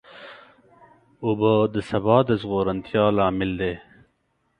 اوبه د سبا د زرغونتیا لامل دي.